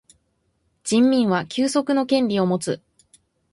人民は休息の権利をもつ。